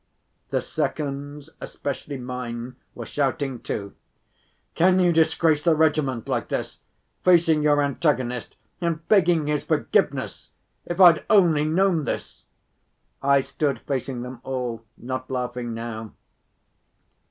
The seconds, especially mine, were shouting too: "Can you disgrace the regiment like this, facing your antagonist and begging his forgiveness! If I'd only known this!" I stood facing them all, not laughing now.